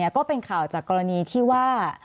ก็เป็นข่าวจากกรณีที่ว่า